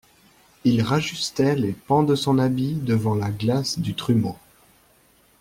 Il rajustait les pans de son habit devant la glace du trumeau.